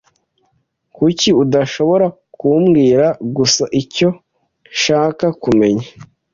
Kuki udashobora kumbwira gusa icyo nshaka kumenya?